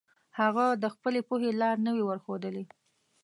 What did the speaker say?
هغه د خپلې پوهې لار نه وي ورښودلي.